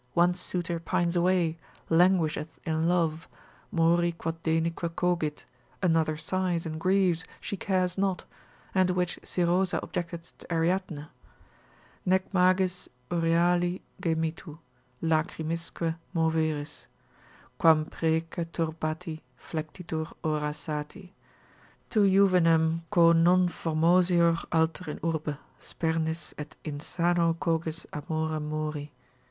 one suitor pines away, languisheth in love, mori quot denique cogit! another sighs and grieves, she cares not: and which Siroza objected to Ariadne, Nec magis Euryali gemitu, lacrymisque moveris, Quam prece turbati flectitur ora sati. Tu juvenem, quo non formosior alter in urbe, Spernis, et insano cogis amore mori.